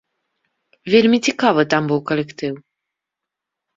Вельмі цікавы там быў калектыў.